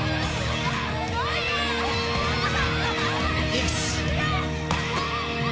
よし！